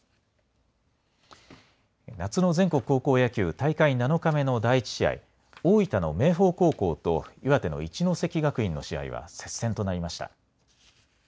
夏の全国高校野球大会７日目の第１試合大分の明豊高校と岩手の一関学院の試合は接戦となりました。